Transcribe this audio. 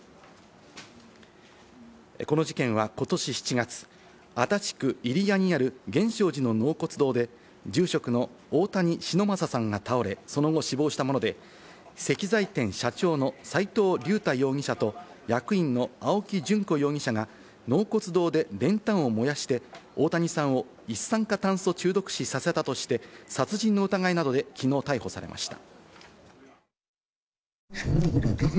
この事件はことし７月、足立区入谷にある源証寺の納骨堂で、住職の大谷忍昌さんが倒れ、その後死亡したもので、石材店社長の斎藤竜太容疑者と、役員の青木淳子容疑者が納骨堂で練炭を燃やして、大谷さんを一酸化炭素中毒死させたとして殺人の疑いなどで、きのう逮捕されました。